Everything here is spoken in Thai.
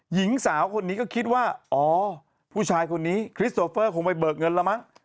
หญิงสาวคนนี้ก็คิดว่าอ๋อผู้ชายคนนี้คริสโอเฟอร์คงไปเบิกเงินแล้วมั้ง